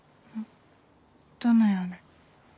どのような？